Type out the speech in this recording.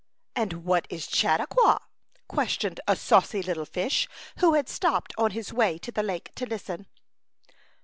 " And what is Chautauqua ?" ques tioned a saucy little fish who had stopped on his way to the lake to listen.